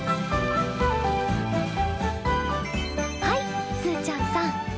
はいすーちゃんさん。